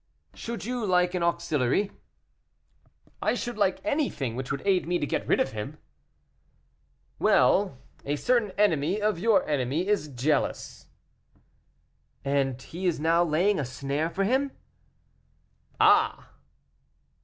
"Should you like an auxiliary?" "I should like anything which would aid me to get rid of him." "Well, a certain enemy of your enemy is jealous." "And he is now laying a snare for him?" "Ah!"